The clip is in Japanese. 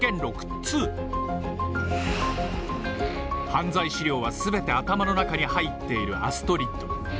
犯罪資料はすべて頭の中に入っているアストリッド。